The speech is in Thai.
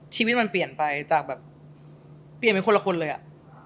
ชีวิตมันเปลี่ยนไปจากแบบเปลี่ยนเป็นคนละคนเลยอ่ะ